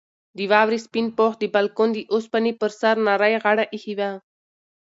د واورې سپین پوښ د بالکن د اوسپنې پر سر نرۍ غاړه ایښې وه.